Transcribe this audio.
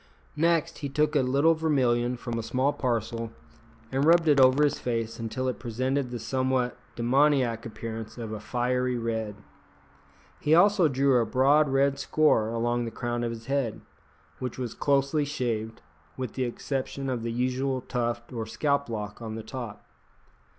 Next, he took a little vermilion from a small parcel and rubbed it over his face until it presented the somewhat demoniac appearance of a fiery red. He also drew a broad red score along the crown of his head, which was closely shaved, with the exception of the usual tuft or scalplock on the top.